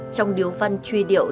trong điều văn truy điệu